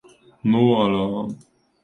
No Allah!